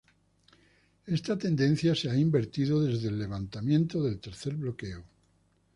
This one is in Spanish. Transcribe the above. Esta tendencia se ha invertido desde el levantamiento del tercer bloqueo.